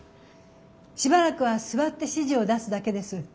しばらくは座って指示を出すだけです。